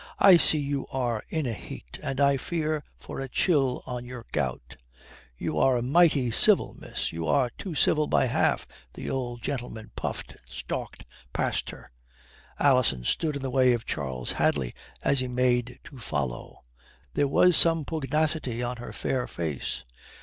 I see you are in a heat, and I fear for a chill on your gout." "You are mighty civil, miss. You are too civil by half," the old gentleman puffed, and stalked past her. Alison stood in the way of Charles Hadley as he made to follow. There was some pugnacity on her fair face.